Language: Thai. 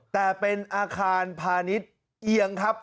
แต่เป็นอาคารพาณิชย์เอียงครับ